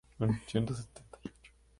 Wad Madani es la capital del estado.